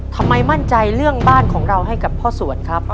ทำไมมั่นใจเรื่องบ้านของเราให้กับพ่อสวนครับ